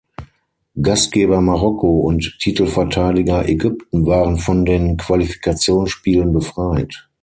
Gastgeber Marokko und Titelverteidiger Ägypten waren von den Qualifikationsspielen befreit.